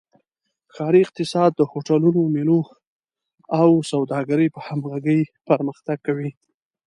ښاري اقتصاد د هوټلونو، میلو او سوداګرۍ په همغږۍ پرمختګ کوي.